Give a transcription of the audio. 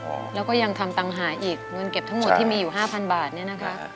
แล้วก็ยังทำตังหาอีกเงินเก็บทั้งหมดที่มีอยู่ห้าพันบาทเนี่ยนะคะ